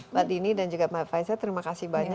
mbak dini dan juga mbak faiza terima kasih banyak